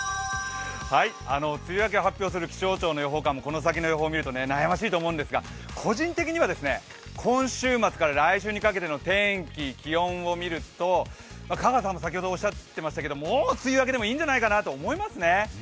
梅雨明けを発表する気象庁の予報官もこの先の予報を見ると悩ましいと思うんですが、個人的には、今週末から来週にかけての天気、気温を見るともう梅雨明けでもいいんじゃないかなっていう気がしますね。